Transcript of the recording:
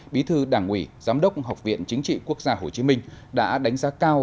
bí thư đảng ủy giám đốc học viện chính trị quốc gia hồ chí minh đã đánh giá cao